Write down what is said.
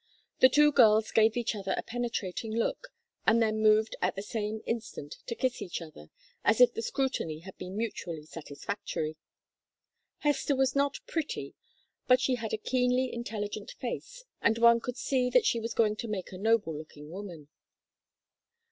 The two girls gave each other a penetrating look, and then moved at the same instant to kiss each other, as if the scrutiny had been mutually satisfactory. Hester was not pretty, but she had a keenly intelligent face, and one could see that she was going to make a noble looking woman.